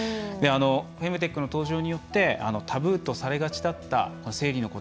フェムテックの登場によってタブーとされがちだった生理のこと。